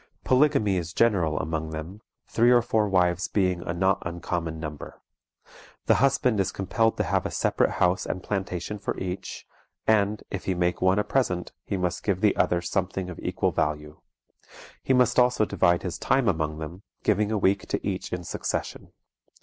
Polygamy is general among them, three or four wives being a not uncommon number. The husband is compelled to have a separate house and plantation for each, and, if he make one a present, he must give the others something of equal value. He must also divide his time among them, giving a week to each in succession.